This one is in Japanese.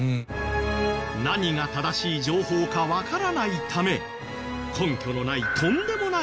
何が正しい情報かわからないため根拠のないとんでもない噂